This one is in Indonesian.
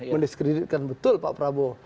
men discreditkan betul pak prabowo